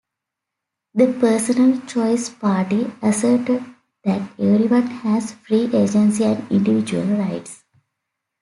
The Personal Choice Party asserted that everyone has free agency and individual rights.